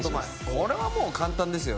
これはもう簡単ですよ。